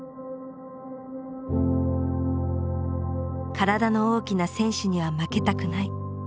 体の大きな選手には負けたくない。